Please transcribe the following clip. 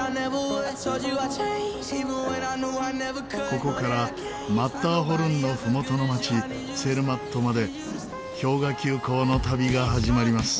ここからマッターホルンのふもとの街ツェルマットまで氷河急行の旅が始まります。